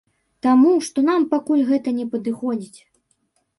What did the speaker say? Таму, што нам пакуль гэта не падыходзіць.